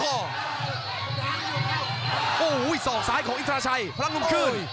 โอ้โหสอกซ้ายของอินทราชัยพลังหนุ่มคืน